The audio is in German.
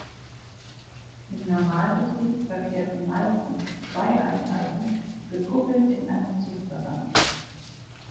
Im Normalbetrieb verkehren meistens zwei Einheiten gekuppelt in einem Zugverband.